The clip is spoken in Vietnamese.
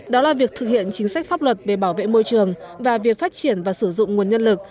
đó là việc thực hiện chính sách pháp luật về bảo vệ môi trường và việc phát triển và sử dụng nguồn nhân lực